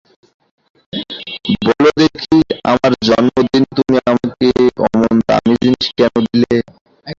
বলো দেখি, আমার জন্মদিনে তুমি আমাকে অমন দামী জিনিস কেন দিলে।